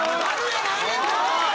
やないねん！